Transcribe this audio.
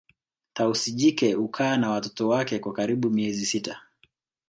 Tausi jike hukaa na watoto wake kwa karibu miezi sita